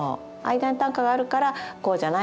間に短歌があるからこうじゃない？